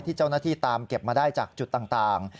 เจ้าหน้าที่ตามเก็บมาได้จากจุดต่าง